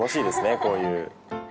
こういう。